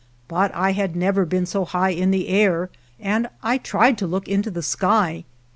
But I had never been so high in the air, and I tried to look into the sky.